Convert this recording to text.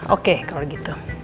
oke kalau gitu